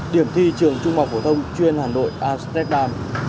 điểm thi trường trung học phổ thông chuyên hà nội amsterdam